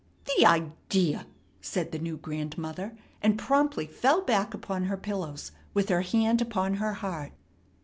"The idea!" said the new grandmother, and promptly fell back upon her pillows with her hand upon her heart.